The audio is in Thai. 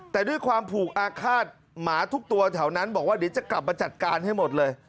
แต่ด้วยความผูกอาฆาตหมาทุกตัวแถวนั้นบอกว่าเดี๋ยวจะกลับมาจัดการให้หมดเลย